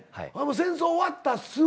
戦争終わったすぐ。